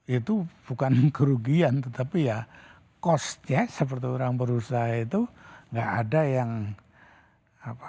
itu bukan kerugian tetapi ya cost ya seperti orang berusaha itu nggak ada yang apa